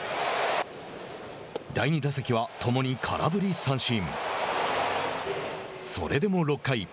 第２打席は共に空振り三振。